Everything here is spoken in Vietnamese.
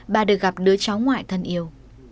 bà được gặp đứa cháu ngoại thân yêu